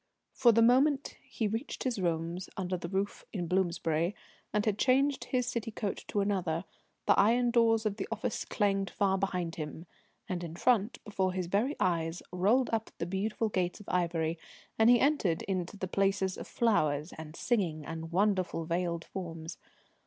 For the moment he reached his rooms under the roof in Bloomsbury, and had changed his city coat to another, the iron doors of the office clanged far behind him, and in front, before his very eyes, rolled up the beautiful gates of ivory, and he entered into the places of flowers and singing and wonderful veiled forms.